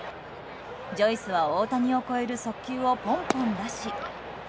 ジョイスは大谷を超える速球をポンポン出し